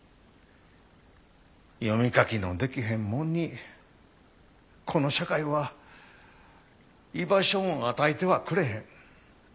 読み書きのできへん者にこの社会は居場所を与えてはくれへん。